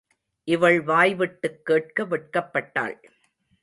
இவள் வாய்விட்டுக் கேட்க வெட்கப்பட்டாள்.